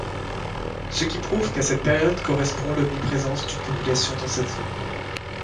Ce qui prouve qu'à cette période correspond l'omniprésence d'une population dans cette zone.